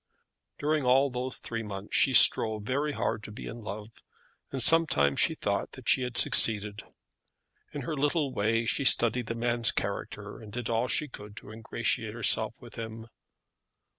During all those three months she strove very hard to be in love, and sometimes she thought that she had succeeded. In her little way she studied the man's character, and did all she could to ingratiate herself with him.